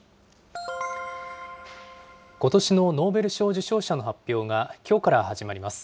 ことしのノーベル賞受賞者の発表が、きょうから始まります。